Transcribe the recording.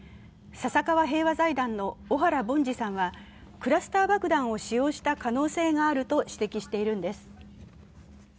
笹川平和財団の小原凡司さんはクラスター爆弾を使用した可能性があると指摘しているんです。